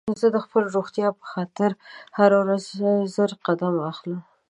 زه د خپلې روغتيا په خاطر هره ورځ لس زره قدمه اخلم